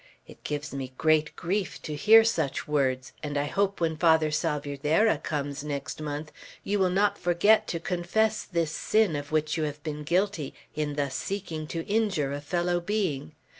It gives me great grief to hear such words; and I hope when Father Salvierderra comes, next month, you will not forget to confess this sin of which you have been guilty in thus seeking to injure a fellow being.